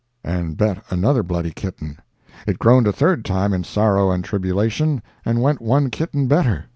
and bet another bloody kitten. It groaned a third time in sorrow and tribulation, and went one kitten better.